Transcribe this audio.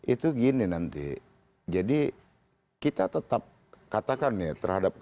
itu gini nanti jadi kita tetap katakan ya terhadap